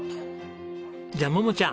じゃあ桃ちゃん。